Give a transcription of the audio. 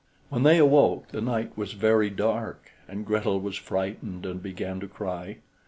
When they awoke, the night was very dark, and Gretel was frightened, and began to cry.